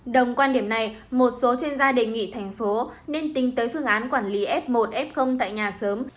đồng quan điểm này một số chuyên gia đề nghị thành phố nên tính tới phương án quản lý f một f tại nhà sớm